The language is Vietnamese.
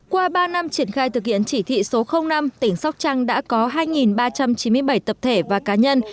qua ba năm triển khai thực hiện chỉ thị số năm tỉnh sóc trăng đã có hai ba trăm chín mươi bảy tập thể và cá nhân